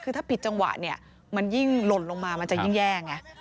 คือถ้าผิดจังหวะเนี่ยมันยิ่งหล่นลงมามันจะยิ่งแย่ไง